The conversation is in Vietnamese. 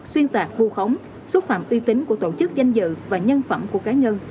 xuyên tạc vu khống xúc phạm uy tín của tổ chức danh dự và nhân phẩm của cá nhân